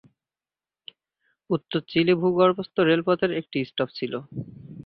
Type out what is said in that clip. উত্তর চিলি ভূগর্ভস্থ রেলপথের একটি স্টপ ছিল।